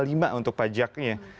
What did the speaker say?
empat belas lima juta untuk pajaknya